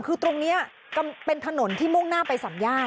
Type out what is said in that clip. คือตรงนี้เป็นถนนที่มุ่งหน้าไปสามญาติ